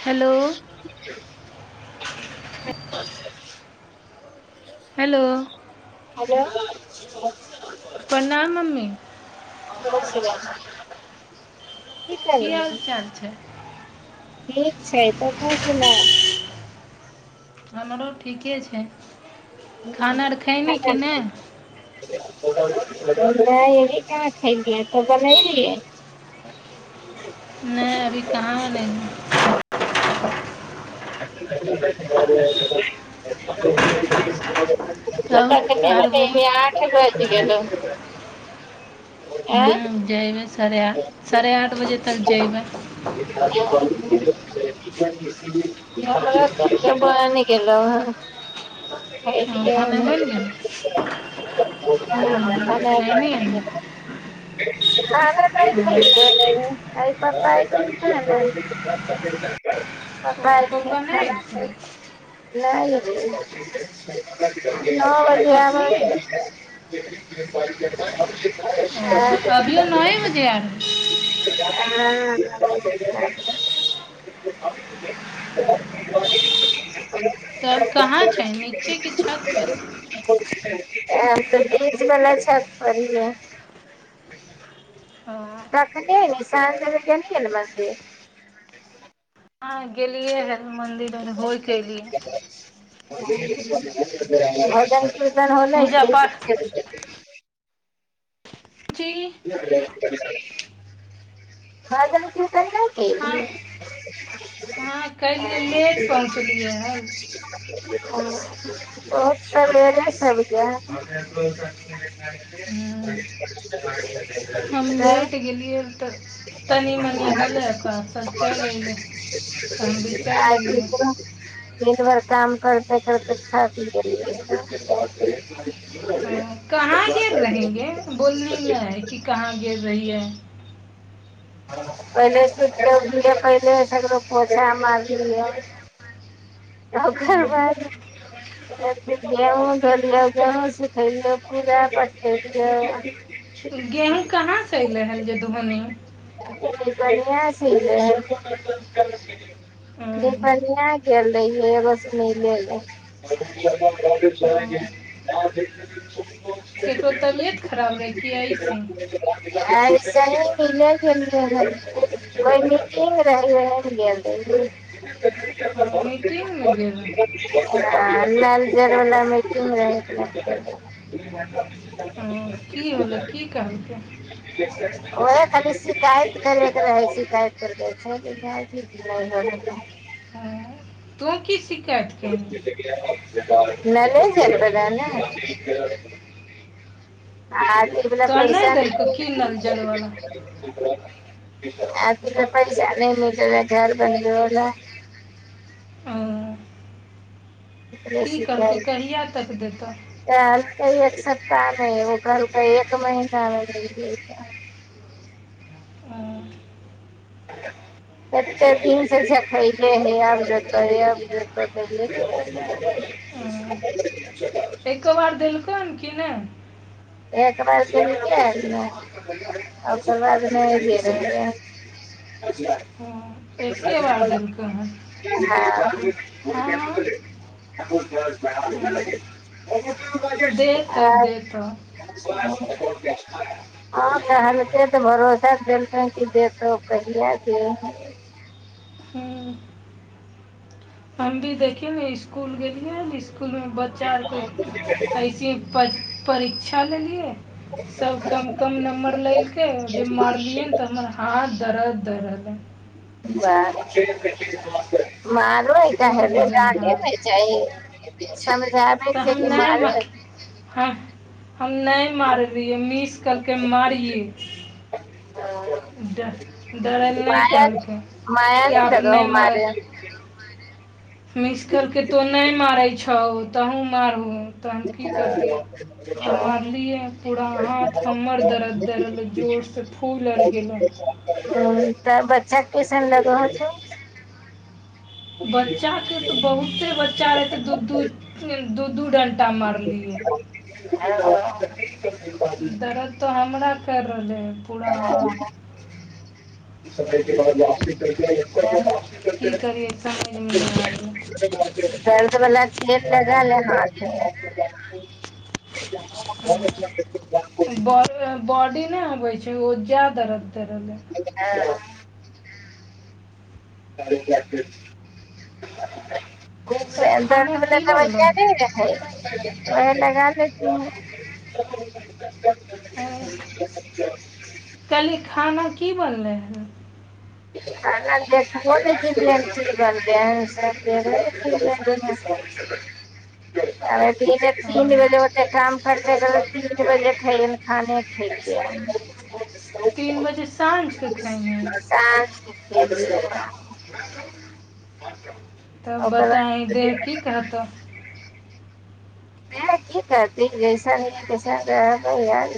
hello hello hello प्रणाम mummy आशीर्वाद [unintelligible] की करै हाल हवी चाल छै ठीक छै तु अपन सुनाउ हमरो ठीके छै खाना आर खैनी कि नहि [unintelligible] नहि अभी कहाँ खैलियै तु बनैलही [unintelligible] नहि अभी कहाँ बनेलियै [unintelligible] तखन से नाहि ने खेलिये तब आठे आर बोल बजै गेल तऽ आँय हूँ जएबै साढ़े आठ साढ़े आठ बजे तक जएबै [inaudible] य ब ब नहि गेलेल [unintelligible] हँ, खाना अ बनि गेल ने [unintelligible] हँ खैनी ह [unintelligible] हँ आइ पप्पा [inaudible] ओ पप्पा एलखिन नहि खाना एलखिन खेलखिन नहि एलैये नओ बजे कखनी आबय ओ हँ [inaudible] अभियो नौये बजे आबय हँ [inaudible] तब कहाँ छही नीचे की छत पर आब तऽ बीच बला छत पर हियौ ह [inaudible] हँ आ अखने साँझ मे [unintelligible] हँ गेलियै हे मंदिर आर होइ के एलियै भजन कीर्तन होलै पूजा की पाठ जी [inaudible] हँ [unintelligible] हँ कैलियै लेट पहुँचलियै हन [unintelligible] [unintelligible] हूँ [inaudible] हम तब लेट गेलियै तऽ तनी मनि होलै ओकररा सब चलि अएलै तऽ हम भी चलि आई अयलियै दिन भर काम करते करते ठक गेलिए हं ओ कहाँ गेल रहेंगे बोलली ने है कि कहाँ गेल रहियै पहिले सु भ पहिले सगो पोधा मारलीै [unintelligible] बाद हँ [unintelligible] गेहूँ कहाँ से अयलै हँ जे धोली [unintelligible] ओ [unintelligible] [inaudible] केकरो तबियत खराब रहै कि अइसे [unintelligible] [unintelligible] [unintelligible] [unintelligible] किी हलो किी कहलके [unintelligible] ओ खाली शिकायत करैके रहै शिकायत कर [unintelligible] तु की शिकायत की केलहि [unintelligible] आ अइ वला तोरा पैसा नहि देलकौ की नल जलवला [unintelligible] [unintelligible] हँ ओकरे की सिखै कहलकौ कहिया तक देतौ [unintelligible] एक सप्ताह नहि [unintelligible] हँ [inaudible] कते दिन से देखैले हे आब जेतो ह आब जेतोे हँ [unintelligible] [unintelligible] एको बार देलकौन कि नै [unintelligible] [inaudible] हँ एके बार देलकौ हन [unintelligible] हँ [unintelligible] हँ, देतौ आर देतौ [unintelligible] [unintelligible] हं हम भी देखियै ने इसकुल गेलियै ने इसकुलमे बच्चा आरके ऐसे पर परीक्षा लेलियै सब कम कम नम्बर लेलकै जे मारलियै तऽ हमर हाथ दरद दै रहल य फूलि [unintelligible] गेलनि हाथ [unintelligible] ह हम नहि मारलहि मिस कलक मारिये [inaudible] ड- डरै लए नहि माया कहलकै माया कि नहि आप लग मारैत [unintelligible] मिसकल के तो नहि मारै छौ तहूँ मारहो तऽ हम की करतियै तऽ मारलियै पूरा हाथ हमर दर्द दर्द जोरसँ फूल आर गेलै ह तऽ बच्चा केसन लगत हो बच्चाके तऽ बहुते बच्चा रहै तऽ दू दू दू दू डणटा मारलियै [unintelligible] दरद तऽ हमरा कैर रहलै ह [unintelligible] की करियै समझमे नहि आबयै तू दर्द बला तेल लगा ले हाथ मे बॉडी नहि अबै छै ओजा दर्द रहले ए तब [unintelligible] दर्द खाना वला की दबा बनलौ ज्यादे रहै ओहे लगा लेतीही हय कहली खाना की बनलै है [inaudible] खाना देखबो ने केलिये की बनल है [unintelligible] ताबे दिन भेल हँ ओत काम करतै त तीन बजे ख खाने खइ छियै तीन बजे साँझ के खेयमही साँझ के खेलिये तब बताइ देह की कहतो देह की कहते जैसन कैसन रहबे यार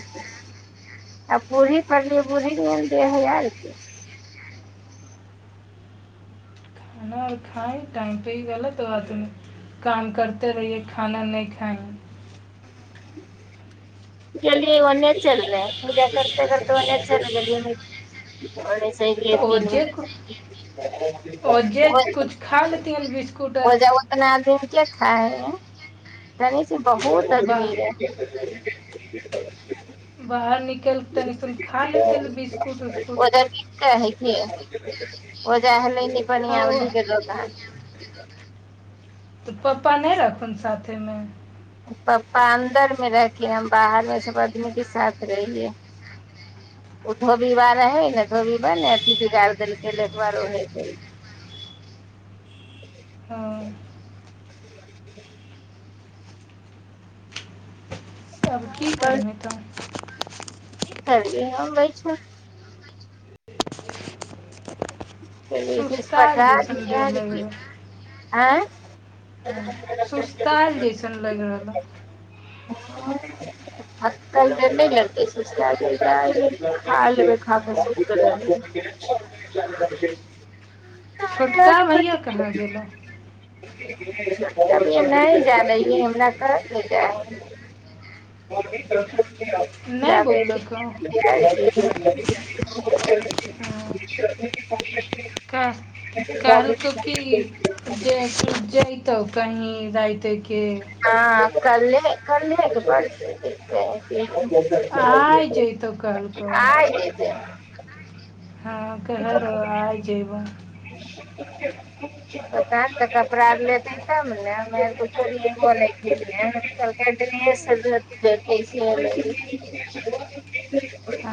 आ पूरी पलियै बूी दे हार के ह खइ टाइम पे इ गलत बात भेलो काम करते रहियए खाना नहि खाएं [inaudible] गेलिये ओन चलै पूजा करते करते ओन चल आर अयसे ही तऽ तीन ओजे बजे तक ओ ओजे कुछ खा लेतियन बिस्कुट आर जबाना अपनादम किया खाए हैं रहे छै बहुत आदमी बाह रहैै [inaudible] बाहर नीकैल तनिसन खा लेतै बिस्कुट उस्कुट कहै की ओजा हलै हँ ओ बढ़आीक जग तऽ पप्पा नहि रहथून साथे मे पप्पा अन्दर मे रहथिन हम बाहर मे सब आदमी के साथ रहिये ओ धोबी बार रहै ने धोबी बा ने अथी बिगार देलक एकार ओ आब की करबे तऽ की करबि हम रहैछौ सुस्तायल जैसन [unintelligible] ह सुस्ताल जइसन लगि रहल [inaudible] [unintelligible] हँ [unintelligible] छोटका भैया कहाँ गेलहु छोटका भैया नहि जाबी हमरा कह ले जा नहि बोललकौ [unintelligible] हँ [unintelligible] कह [unintelligible] जा जैतहु कहीँ रातके ह कले कलेके परसु आइ जैतौ कहलकौ जेबै [unintelligible] हँ कहरो आइ जेबऽ [unintelligible] पता तऽ कपड़ा आर लेते तब नेे हम कुछो लेबो नै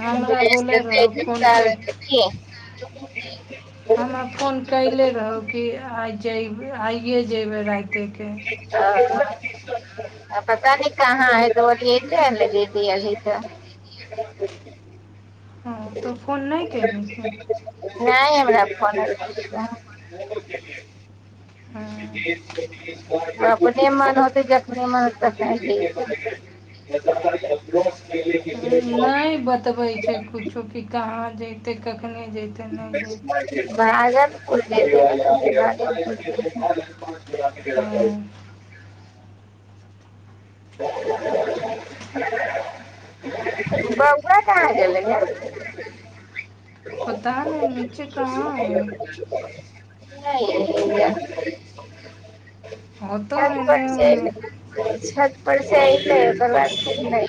हमरा बोलै रहौ फोन कैर कलिये [unintelligible] [unintelligible] हमरा फोन कयले रहौ कि आइ जयब आइए जेयबै रातेके ओ पता नै कहाँ एलो त व लग द अभी तऽ तऽँ फोन नहि केल्ही की नहि हमरा फोन एलोआ हँ [unintelligible] अपने मन होतै जखने मन होतै तखने नहि बतबय छै किछु कि कहाँ जतय कखने जतय नहि जतय बाजल [unintelligible] आ बउआ कहाँ गेलै यौ पता ने नीचे कहाँ है नइ एलैया होतौ छत पर एन्ने ओन्ने चइल छत पर से ऐले ओकर बाद फेर नइ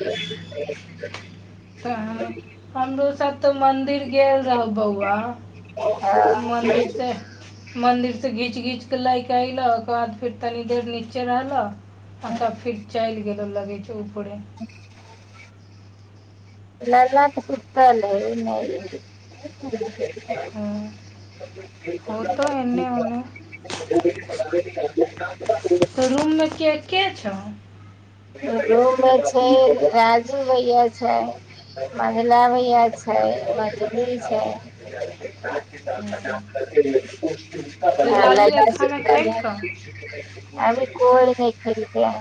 तऽ हमरो साथ तऽ मंदिर गेल रहु बौआ मन्दिर से मंदिर से घीच घीच के लायके एऐलह ओकर बाद फेर तनी देर नीचे रहलो अच्छा फिर चलि गेलो लगे छै ऊपरे लला त सुतल है नइ है [unintelligible] हँ होतो एन्ने ओन्ने [unintelligible] तऽ रूममे के के छौ रूमे छै राजू भैया छै मझला भैया छै मझली छै तऽ आ राजू भाइ लल्ला खाना छै खेलकऽ अभी कोई नै खेलकै है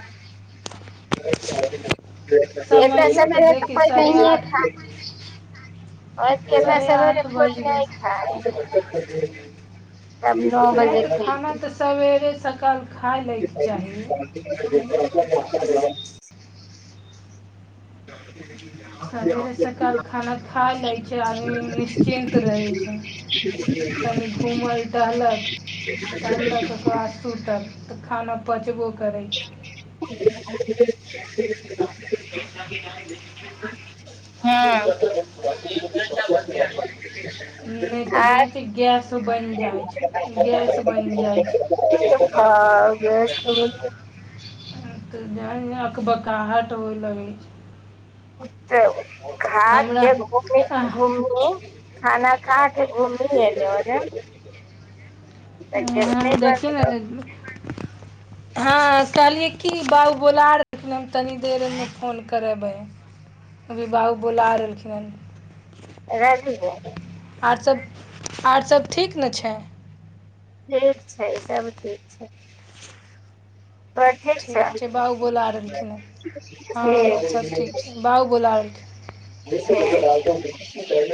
एतअ से नहि समयो तऽ देखी कोई साढ़े आठ नहिय खाई छै ओर साढ़े एना आठ सबेरे बजि गेल कोई नहि खाय सब नौ बजे खैतिन सबेरे सकाल खाइ लैके चाही [unintelligible] सवेरे सकाल खाना खा लै छै आदमी निश्चिन्त रहै छै तनि [unintelligible] घूमल टहलक तऽ टहलक तकर बाद सुतल तऽ खाना पचबो करै छै [unintelligible] हँ नहि तऽ जानै आठ छै गैस बनि जाइ छै गैस बनि जाइ छै हाँ गैस त बनियै छै तऽ अकबकाहट होय लगै छै त घाट हमरा के घूम आह, घूमी खाना खाके घुमबी एलहोने आ देखियो बनलै ने हाँ कहलियै की बाबु बोला रहलखिन हम तनी देरमे फोन करेबै अभी बाउ बुला रहलखिन हन राइखदही आर सब आर सब ठीक न छै ठीक छै सब ठीक छै तोहर छौ ठीक छै बाउ बोला रहलखिन हं हाँ हमर सभ ठीक छै बाउ बोला रहलखिन [unintelligible] [unintelligible]